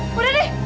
udah deh udah